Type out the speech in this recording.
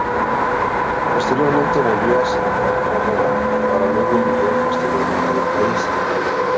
Posteriormente volvió a Central Córdoba, para luego emigrar posteriormente del país.